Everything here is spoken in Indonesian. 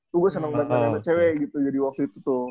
tuh gue seneng banget main sama cewek gitu jadi waktu itu tuh